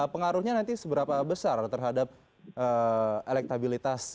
pengaruhnya nanti seberapa besar terhadap elektabilitas